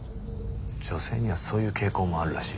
女性にはそういう傾向もあるらしい。